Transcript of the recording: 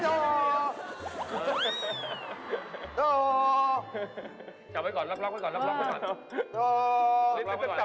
อยู่หน้าของมีอะไรอยู่ในกางเกงเออใช่